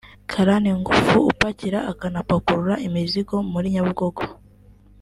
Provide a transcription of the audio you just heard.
Karani ngufu upakira akanapakurura imizigo muri Nyabugogo